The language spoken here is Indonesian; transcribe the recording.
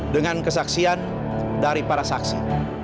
dengan kesaksian dari para saksi